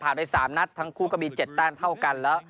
ไป๓นัดทั้งคู่ก็มี๗แต้มเท่ากันแล้ว